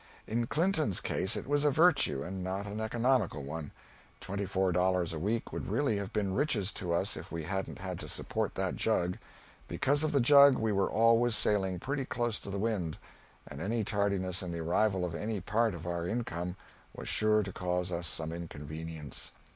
In Clinton's case it was a virtue, and not an economical one. Twenty four dollars a week would really have been riches to us if we hadn't had to support that jug; because of the jug we were always sailing pretty close to the wind, and any tardiness in the arrival of any part of our income was sure to cause us some inconvenience.